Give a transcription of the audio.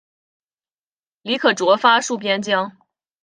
李可灼发戍边疆。